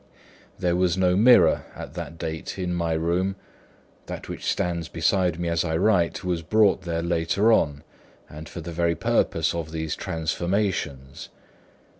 There was no mirror, at that date, in my room; that which stands beside me as I write, was brought there later on and for the very purpose of these transformations.